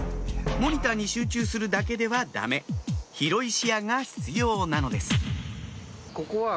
モニターに集中するだけではダメ広い視野が必要なのです